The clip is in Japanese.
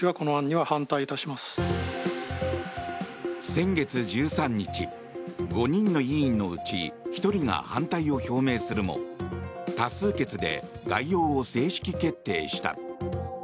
先月１３日、５人の委員のうち１人が反対を表明するも多数決で概要を正式決定した。